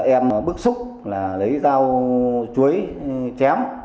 em bức xúc là lấy dao chuối chém